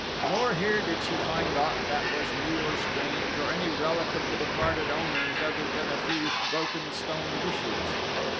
Nor here did she find aught that was new or strange nor any relic of the departed owners other than a few broken stone dishes.